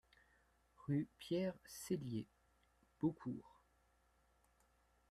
Rue Pierre Sellier, Beaucourt